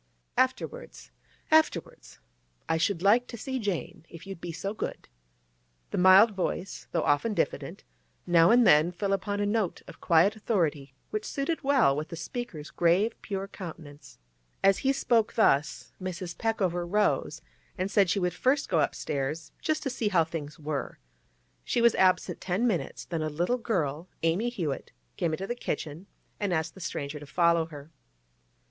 'Afterwards—afterwards. I should like to see Jane, if you'll be so good.' The mild voice, though often diffident, now and then fell upon a note of quiet authority which suited well with the speaker's grave, pure countenance. As he spoke thus, Mrs. Peckover rose, and said she would first go upstairs just to see how things were. She was absent ten minutes, then a little girl—Amy Hewett—came into the kitchen and asked the stranger to follow her.